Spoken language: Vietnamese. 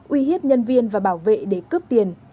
uy hiếp nhân viên và bảo vệ để cướp tiền